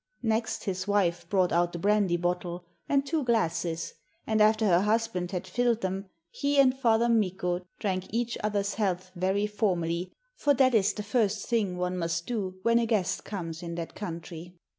Next his wife brought out the brandy bottle and two glasses, and after her husband had filled them, he and Father Mikko drank each other's health very formally, for that is the first thing one must do when a guest comes in that country.